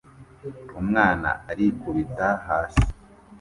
Umwana arikubita hasi